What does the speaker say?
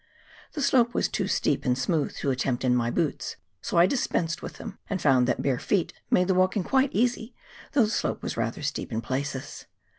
The slope was too steep and smooth to attempt in my boots, so I dispensed with them and found that bare feet made the walking quite easy, though the slope was rather steep in places.